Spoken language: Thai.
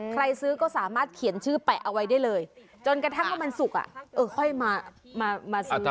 ใครซื้อก็สามารถเขียนชื่อแปะเอาไว้ได้เลยจนกระทั่งว่ามันสุกค่อยมาซื้อ